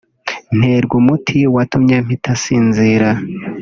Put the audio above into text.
nterwa umuti watumye mpita nsinzira